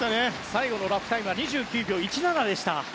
最後のラップタイムは２９秒１７でした。